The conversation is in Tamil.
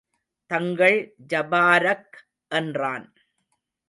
தங்கள் ஜபாரக் என்றான்.